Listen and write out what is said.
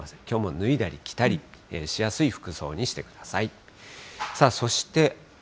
きょうも脱いだり着たりしやすい服装にしてください。